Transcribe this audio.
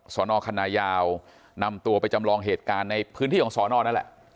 สอนอคณะยาวนำตัวไปจำลองเหตุการณ์ในพื้นที่ของสอนอนั่นแหละ